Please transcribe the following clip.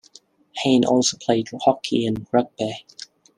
Heyn also played hockey and rugby.